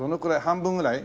半分ぐらい。